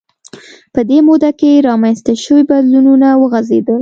په دې موده کې رامنځته شوي بدلونونه وغځېدل